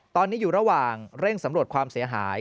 ตอนนี้อยู่ระหว่างเร่งสำรวจความเสียหาย